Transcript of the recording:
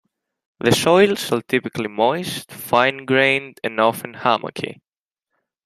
The soils are typically moist, fine-grained, and often hummocky.